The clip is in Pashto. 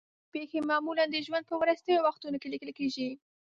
ځان پېښې معمولا د ژوند په وروستیو وختونو کې لیکل کېږي.